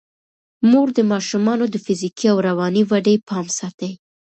مور د ماشومانو د فزیکي او رواني ودې پام ساتي.